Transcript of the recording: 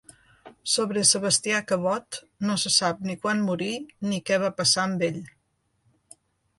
Sobre Sebastià Cabot no se sap ni quan morí ni què va passar amb ell.